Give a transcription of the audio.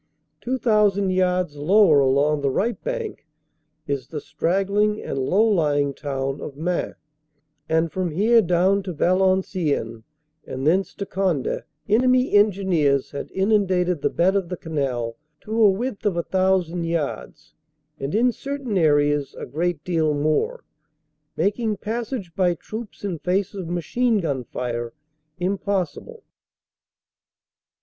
Two thousand yards lower along the right bank is the straggling and low lying town of Maing, and from here down to Valenciennes and thence to Conde enemy engi neers had inundated the bed of the canal to a width of a thou sand yards and in certain areas a great deal more, making passage by troops in face of machine gun fire impossible.